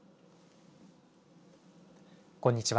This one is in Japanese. こんにちは。